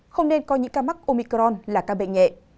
không nên coi những ca mắc omicron là ca bệnh nhẹ